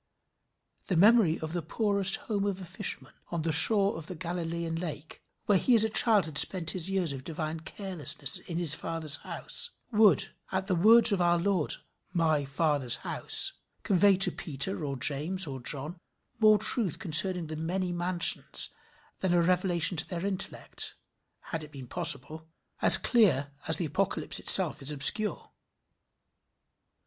The memory of the poorest home of a fisherman on the shore of the Galilean lake, where he as a child had spent his years of divine carelessness in his father's house, would, at the words of our Lord my Father's house, convey to Peter or James or John more truth concerning the many mansions than a revelation to their intellect, had it been possible, as clear as the Apocalypse itself is obscure.